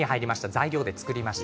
材料で作りました。